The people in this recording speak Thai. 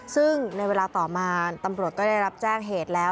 ซึ่งในเวลาต่อมาตำรวจก็ได้รับแจ้งเหตุแล้ว